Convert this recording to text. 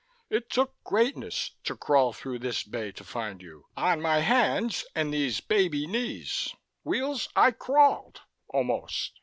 It took greatness to crawl through this bay to find you. On my hands and these baby knees, Weels, I crawled. Almost.